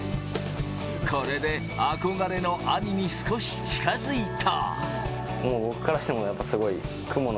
これで憧れの兄に少し近づいた。